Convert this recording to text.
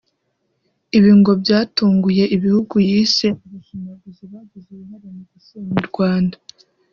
Ibi ngo byatunguye ibihugu yise “abashinyaguzi bagize uruhare mu gusenya u Rwanda”